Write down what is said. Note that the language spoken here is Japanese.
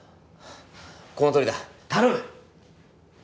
このとおりだ頼む